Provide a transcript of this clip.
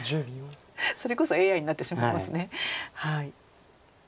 それこそＡＩになってしまいますね。